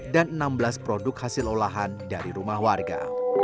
dan enam belas produk hasil olahan dari rumah warga